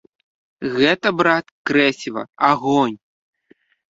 Гэта, брат, крэсіва, агонь!